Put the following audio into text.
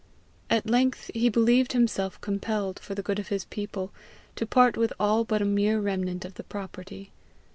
At length he believed himself compelled, for the good of his people, to part with all but a mere remnant of the property.